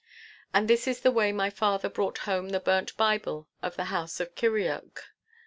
And this is the way my father brought home the burnt Bible to the house of Kirrieoch.